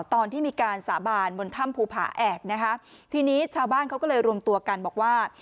ตอนที่มีการสาบานบนถ้ำภูผาแอกนะคะทีนี้ชาวบ้านเขาก็เลยรวมตัวกันบอกว่า